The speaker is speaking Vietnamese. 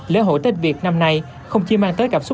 lễ hội tết việt năm nay không chỉ mang tới cảm xúc